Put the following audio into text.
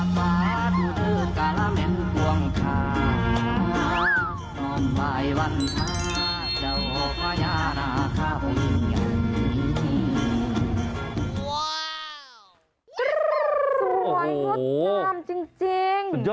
สวยงดงามจริงโอ้โฮสวยงดงามจริงโอ้โฮ